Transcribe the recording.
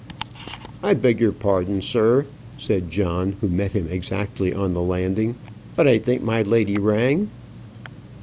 "I beg your pardon, sir," said John, who met him exactly on the landing; "but I think my lady rang."